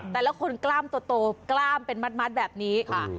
แต่ละคนกล้ามโตกล้ามเป็นมัดแบบนี้ค่ะ